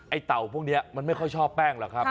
เต่าพวกนี้มันไม่ค่อยชอบแป้งหรอกครับ